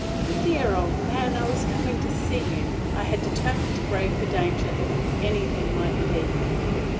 "Dear old man! I was coming to see you. I had determined to brave the danger, if any there might be."